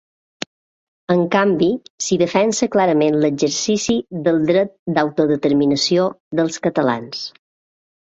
En canvi, s’hi defensa clarament l’exercici del dret d’autodeterminació dels catalans.